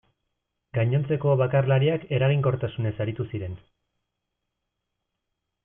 Gainontzeko bakarlariak eraginkortasunez aritu ziren.